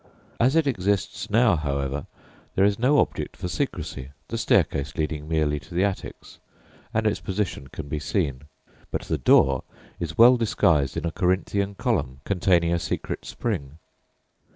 As it exists now, however, there is no object for secrecy, the staircase leading merely to the attics, and its position can be seen; but the door is well disguised in a Corinthian column containing a secret spring.